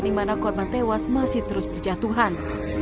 di mana korban tewas masih terus berjatuhan